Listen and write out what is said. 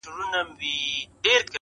خو بيا هم پوښتني بې ځوابه پاتې کيږي تل,